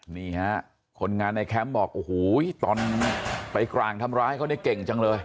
นี่ฮะคนงานในแคมป์บอกโอ้โหตอนไปกลางทำร้ายเขาเนี่ยเก่งจังเลย